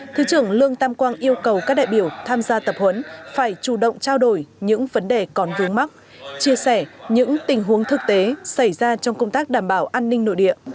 thứ trưởng lương tam quang yêu cầu các đại biểu tham gia tập huấn phải chủ động trao đổi những vấn đề còn vướng mắt chia sẻ những tình huống thực tế xảy ra trong công tác đảm bảo an ninh nội địa